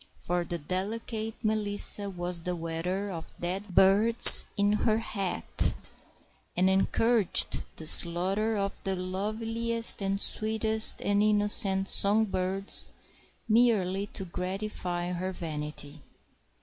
For the delicate Melissa was the wearer of dead birds in her hat, and encouraged the "slarter" of the loveliest and sweetest of innocent song birds merely to gratify her vanity.